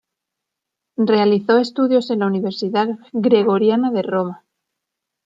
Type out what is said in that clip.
Realizó estudios en la Universidad Gregoriana de Roma.